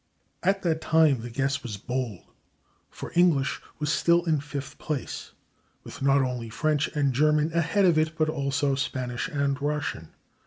At that time the guess was bold, for English was still in fifth place, with not only French and German ahead of it, but also Spanish and Russian.